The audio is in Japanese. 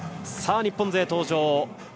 日本勢、登場。